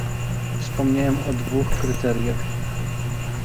Wspomniałem o dwóch kryteriach